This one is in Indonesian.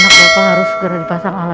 anak bapak harus segera dipasang alat alat